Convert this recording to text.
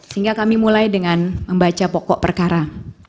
sehingga kami mulai dengan membaca pokok perkara